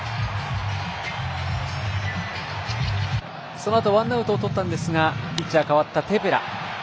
そのあとワンアウトとったんですがピッチャー代わったテペラ。